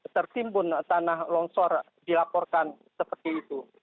tertimbun tanah longsor dilaporkan seperti itu